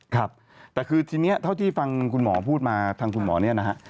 ครับแต่คือทีนี้เท่าที่ฟังคุณหมอพูดมาทางคุณหมอเนี่ยนะฮะ